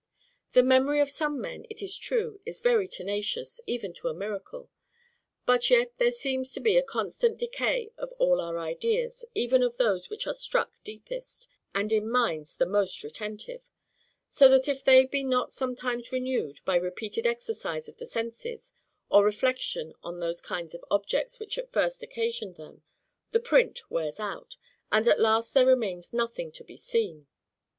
The memory of some men, it is true, is very tenacious, even to a miracle. But yet there seems to be a constant decay of all our ideas, even of those which are struck deepest, and in minds the most retentive; so that if they be not sometimes renewed, by repeated exercise of the senses, or reflection on those kinds of objects which at first occasioned them, the print wears out, and at last there remains nothing to be seen.